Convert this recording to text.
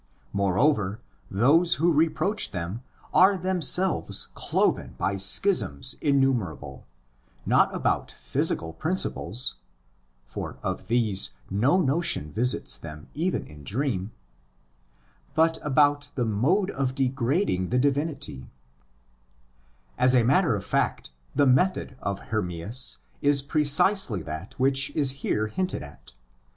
More over, those who reproach them are themselves cloven by schisms innumerable, not about physical prin ciples (for of these no notion visits them even in dream), but about the mode of degrading the divinity (περὶ τὴν καθαίρεσιν τῆς θείας ὑπεροχῆς). As a matter of fact, the method of Hermias is precisely that which is here hinted at.